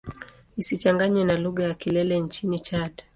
Isichanganywe na lugha ya Kilele nchini Chad.